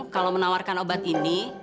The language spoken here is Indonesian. kalau menawarkan obat ini